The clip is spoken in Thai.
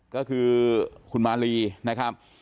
ก็คือคุณมาลีนะครับ